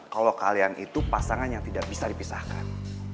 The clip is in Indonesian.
kalau kalian itu pasangan yang tidak bisa dipisahkan